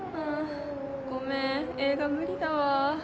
ごめん映画無理だわ。